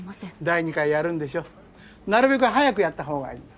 第２回やるんでしょなるべく早くやったほうがいい。